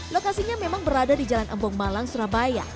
lokasinya memang berada di jalan empong malang surabaya